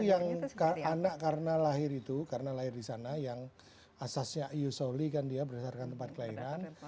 yang anak karena lahir itu karena lahir di sana yang asasnya eusoli kan dia berdasarkan tempat kelahiran